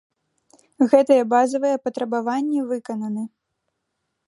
Гэтыя базавыя патрабаванні выкананы.